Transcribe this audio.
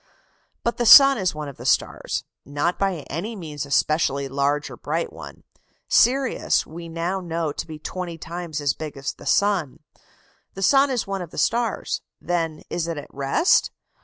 But the sun is one of the stars not by any means a specially large or bright one; Sirius we now know to be twenty times as big as the sun. The sun is one of the stars: then is it at rest?